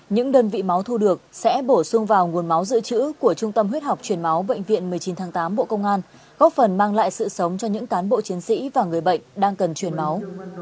những đơn vị máu thu được sẽ bổ sung vào nguồn máu dự trữ của trung tâm huyết học truyền máu bệnh viện một mươi chín tháng tám bộ công an góp phần mang lại sự sống cho những cán bộ chiến sĩ và người bệnh đang cần truyền máu